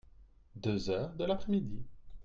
Deux heures de l'après-midi.